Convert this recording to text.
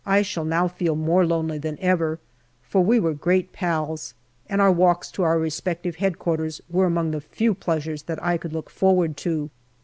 I shall now feel more lonely than ever, for we were great pals, and our walks to our respective H.Q. were among the few pleasures that I could look forward to.